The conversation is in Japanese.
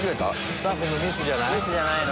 スタッフのミスじゃない？